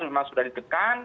memang sudah dikekang